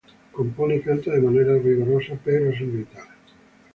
Compone y canta de manera vigorosa pero sin gritar.